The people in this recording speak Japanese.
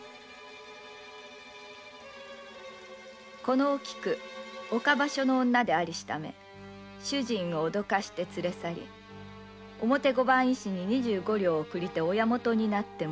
「このきくは岡場所の女でありしため主人を脅して連れ去り表御番医師に二十五両贈りて親元になってもらいしが」